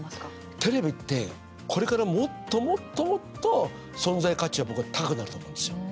テレビって、これからもっともっともっと存在価値が僕は高くなると思うんですよ。